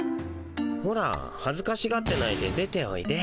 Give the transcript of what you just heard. ほらはずかしがってないで出ておいで。